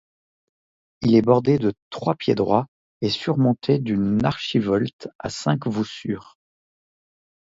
Il est bordé de trois pieds-droits et surmonté d'une archivolte à cinq voussures.